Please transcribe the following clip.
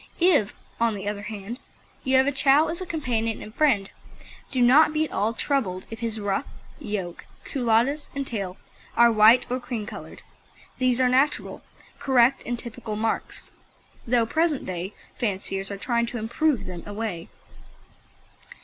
If, on the other hand, you have a Chow as a companion and friend, do not be at all troubled if his ruff, yoke, culottes and tail are white or cream coloured. These are natural, correct and typical marks, though present day fanciers are trying to "improve" them away.